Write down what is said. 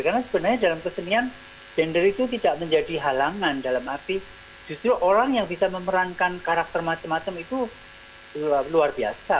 karena sebenarnya dalam kesenian gender itu tidak menjadi halangan dalam arti justru orang yang bisa memerankan karakter macam macam itu luar biasa